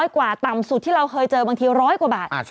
กว่าต่ำสุดที่เราเคยเจอบางที๑๐๐กว่าบาท